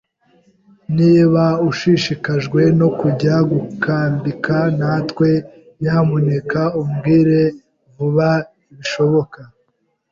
Niba ushishikajwe no kujya gukambika natwe, nyamuneka umbwire vuba bishoboka.